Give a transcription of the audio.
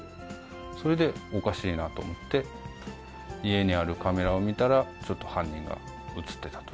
それでおかしいなと思って、家にあるカメラを見たら、ちょっと犯人が写ってたと。